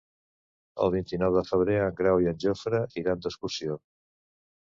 El vint-i-nou de febrer en Grau i en Jofre iran d'excursió.